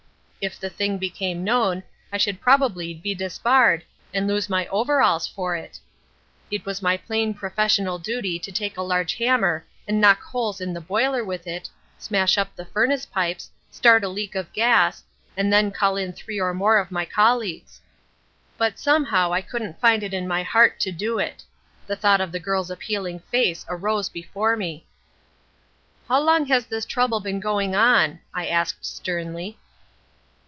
If the thing became known I should probably be disbarred and lose my overalls for it. It was my plain professional duty to take a large hammer and knock holes in the boiler with it, smash up the furnace pipes, start a leak of gas, and then call in three or more of my colleagues. "But somehow I couldn't find it in my heart to do it. The thought of the girl's appealing face arose before me. "'How long has this trouble been going on?' I asked sternly.